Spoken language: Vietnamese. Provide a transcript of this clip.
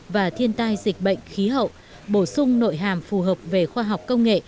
và thiên tai dịch bệnh khí hậu bổ sung nội hàm phù hợp về khoa học công nghệ